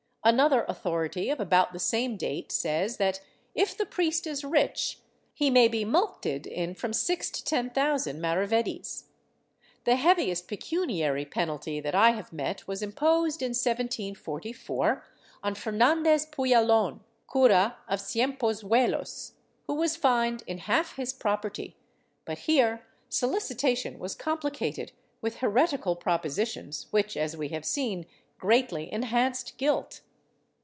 Another authority of about the same date says that, if the priest is rich, he may be mulcted in from six to ten thousand maravedis." The heaviest pecuniary penalty that I have met was imposed, in 1744, on Fernandez Puyalon, cura of Ciempozuelos, who was fined in half his property, but here solicitation was com plicated with heretical propositions, which, as Y:e have seen, greatly enhanced guilt.